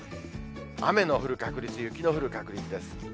雨の降る確率、雪の降る確率です。